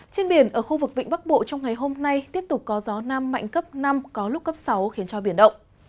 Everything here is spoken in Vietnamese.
trên biển ở khu vực vịnh bắc bộ trong ngày hôm nay tiếp tục có gió nam mạnh cấp năm có lúc cấp sáu khiến cho biển động